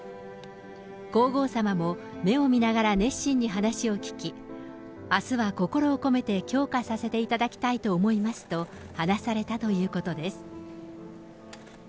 皇后さまも目を見ながら熱心に話を聞き、あすは心を込めて供花させていただきたいと思いますと話されたということです。